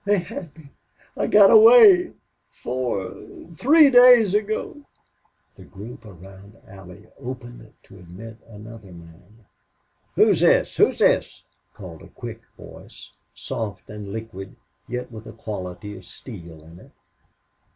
They had me. I got away... four three days ago." The group around Allie opened to admit another man. "Who's this who's this?" called a quick voice, soft and liquid, yet with a quality of steel in it.